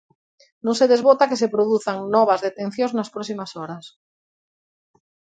Non se desbota que se produzan novas detención nas próximas horas.